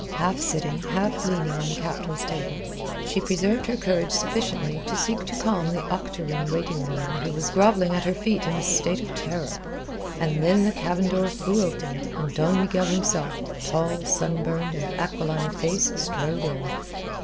Half sitting, half leaning on the Captain's table, she preserved her courage sufficiently to seek to calm the octoroon waiting woman who was grovelling at her feet in a state of terror. And then the cabin door flew open, and Don Miguel himself, tall, sunburned, and aquiline of face, strode in.